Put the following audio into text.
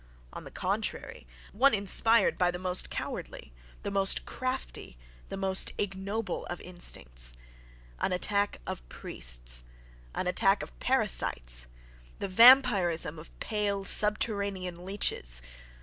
On the contrary, one inspired by the most cowardly, the most crafty, the most ignoble of instincts! An attack of priests! An attack of parasites! The vampirism of pale, subterranean leeches!...